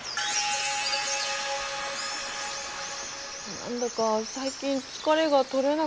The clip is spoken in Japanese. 何だか最近疲れが取れなくって。